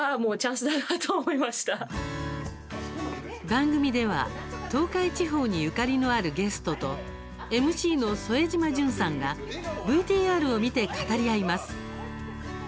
番組では、東海地方にゆかりのあるゲストとＭＣの副島淳さんがＶＴＲを見て語り合います。